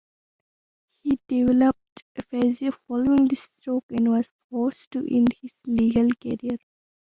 He developed aphasia following the stroke, and was forced to end his legal career.